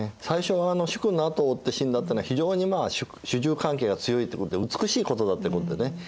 最初は主君のあとを追って死んだってのは非常に主従関係が強いってことで美しいことだってことでね